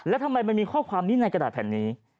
แล้วทำไมมันมีข้อความนี้ในกระดาษแผ่นนี้